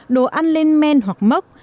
đồ ăn lên men hoặc mốc